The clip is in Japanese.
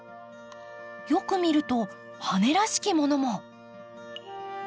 よく見ると羽らしきものも。